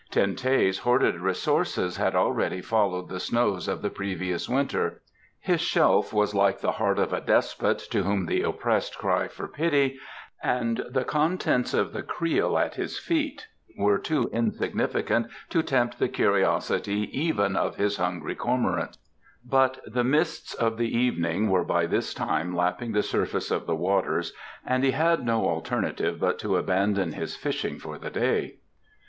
Ten teh's hoarded resources had already followed the snows of the previous winter, his shelf was like the heart of a despot to whom the oppressed cry for pity, and the contents of the creel at his feet were too insignificant to tempt the curiosity even of his hungry cormorants. But the mists of the evening were by this time lapping the surface of the waters and he had no alternative but to abandon his fishing for the day.